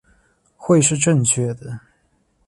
会是正确的